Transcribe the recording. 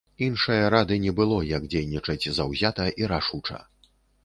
Іншае рады не было як дзейнічаць заўзята і рашуча.